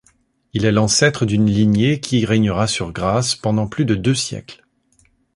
Il est l'ancêtre d'une lignée qui régnera sur Grâce pendant plus de deux siècles.